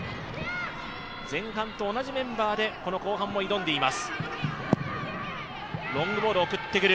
前半と同じメンバーで後半も挑んでいます。